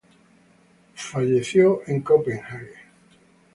Falleció el en Copenhague.